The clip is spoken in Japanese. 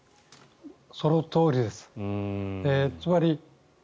そのとおりです。